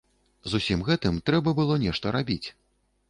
З усім гэтым трэба было нешта рабіць.